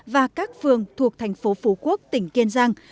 và các phường thuộc thành phố phú quốc tỉnh kiên giang